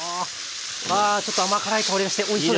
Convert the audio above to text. わあちょっと甘辛い香りがしておいしそうです。